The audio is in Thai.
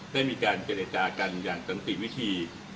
ได้มีการเจรจากันอย่างสันติวิธี